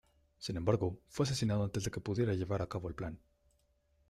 Sin embargo, fue asesinado antes de que pudiera llevar a cabo el plan.